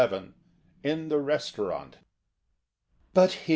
XI IN THE RESTAURANT "BUT hear.